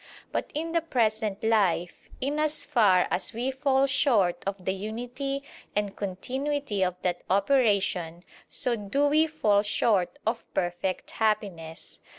But in the present life, in as far as we fall short of the unity and continuity of that operation so do we fall short of perfect happiness.